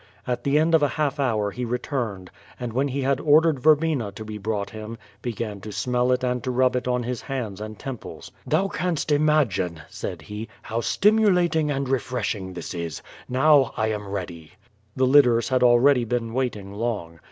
At the end of a half hour he returned^ l6 QVO VADI8, and when he liad oidered verbena to he hroiight him, began to smell it and to nib it on his hands and temples. "Thou canst imagine," said he, "how stimulating and refreshing this is. Now I am ready." The litters had already been waiting long.